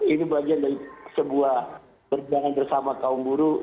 ini bagian dari sebuah berjalan bersama kaum guru